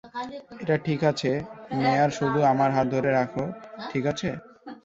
এটা ঠিক আছে, মেয়ার শুধু আমার হাত ধরে রাখ - ঠিক আছে?